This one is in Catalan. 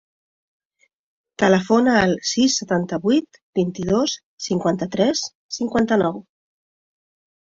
Telefona al sis, setanta-vuit, vint-i-dos, cinquanta-tres, cinquanta-nou.